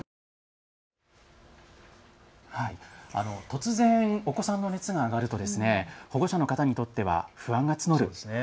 突然、お子さんの熱が上がると保護者の方にとっては不安が募りますよね。